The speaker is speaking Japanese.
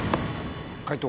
解答